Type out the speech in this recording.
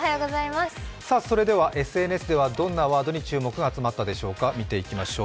それではＳＮＳではどんなワードに注目が集まったでしょうか。